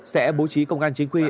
sẽ bố trí công an chính quy